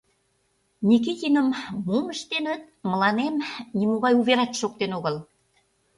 Никитиным мом ыштеныт — мыланем нимогай уверат шоктен огыл.